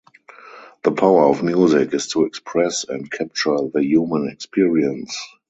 The power of music is to express and capture the human experience.